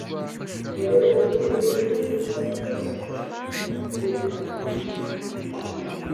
Uwaherekeje ni we wiyibutsa kugaruka agasezera ku wo yari aherekeje.